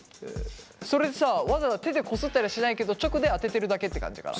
それってさわざわざ手でこすったりはしないけど直で当ててるだけって感じかな？